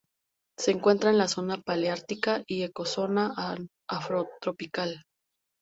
Se encuentra en la zona paleártica y Ecozona afrotropical.